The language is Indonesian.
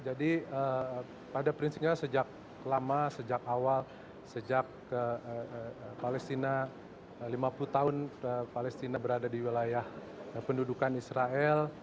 pada prinsipnya sejak lama sejak awal sejak palestina lima puluh tahun palestina berada di wilayah pendudukan israel